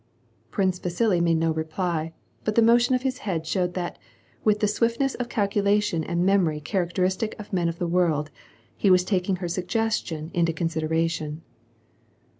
Prince Vasili made no reply, but the motion of his head showed that, with the swiftness of calculation and memory characteristic of men of the world, he was taking her sugges tion into consideration.